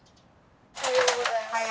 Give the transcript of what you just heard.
おはようございます。